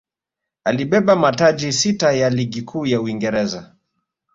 alibeba mataji sita ya ligi kuu ya Uingereza